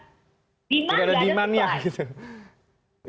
iya kan kalau tidak ada demand tidak ada soal